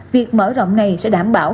việc mở rộng này sẽ đảm bảo